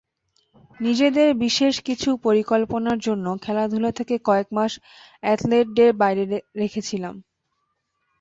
নিজেদের বিশেষ কিছু পরিকল্পনার জন্য খেলাধুলা থেকে কয়েক মাস অ্যাথলেটদের বাইরে রেখেছিলাম।